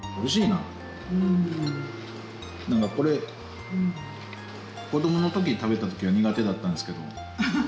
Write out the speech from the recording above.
なんかこれ子供の時食べた時は苦手だったんですけども。